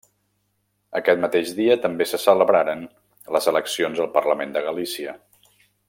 Aquest mateix dia també se celebraren les eleccions al Parlament de Galícia.